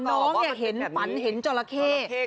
น้องเห็นฝันเห็นจราเข้